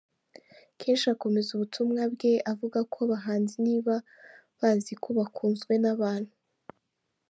kenshi akomeza ubutumwa bwe avuga ko abahanzi niba bazi ko bakunzwe nabantu.